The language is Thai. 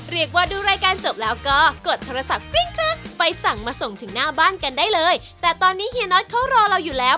เรียกว่าดูรายการจบแล้วก็กดโทรศัพท์กริ้งกรัดไปสั่งมาส่งถึงหน้าบ้านกันได้เลยแต่ตอนนี้เฮียน็อตเขารอเราอยู่แล้ว